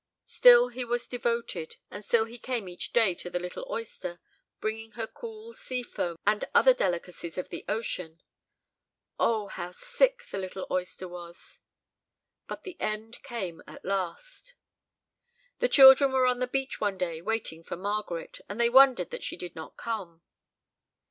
Still he was devoted, and still he came each day to the little oyster, bringing her cool sea foam and other delicacies of the ocean. Oh, how sick the little oyster was! But the end came at last. The children were on the beach one day, waiting for Margaret, and they wondered that she did not come.